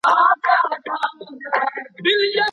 ایا ملي بڼوال پسته صادروي؟